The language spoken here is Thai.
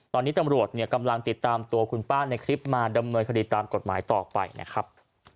ตอนนี้ตำรวจเนี่ยกำลังติดตามตัวคุณป้าในคลิปมาดำเนินคดีตามกฎหมายต่อไปนะครับ